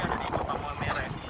ada di kota maumere